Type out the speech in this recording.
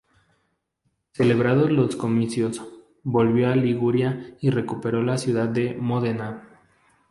Celebrados los comicios, volvió a Liguria y recuperó la ciudad de Módena.